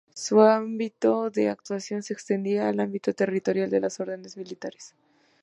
Su ámbito de actuación se extendía al ámbito territorial de las Órdenes Militares.